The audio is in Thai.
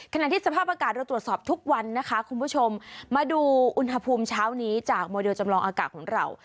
ขณะที่สภาพอากาศเราตรวจสอบทุกวันนะคะคุณผู้ชมมาดูอุณหภูมิเช้านี้จากโมเดลจำลองอากาศของเรา